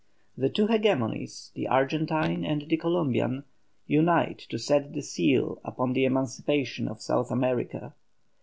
The two hegemonies, the Argentine and the Columbian, unite to set the seal upon the emancipation of South America.